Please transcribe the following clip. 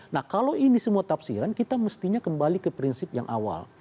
nah kalau ini semua tafsiran kita mestinya kembali ke prinsip yang awal